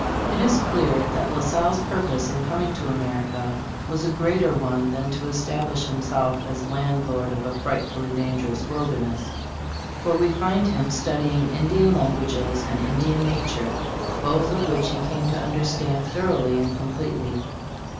It is clear that La Salle's purpose in com ing to America was a greater one than to establish himself as landlord of a frightfully dangerous wilderness ; for we find him studying Indian languages and In dian nature, both of which he came to understand thoroughly and complete ly.